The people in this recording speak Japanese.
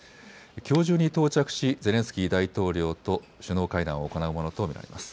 きょう中に到着しゼレンスキー大統領と首脳会談を行うものと見られます。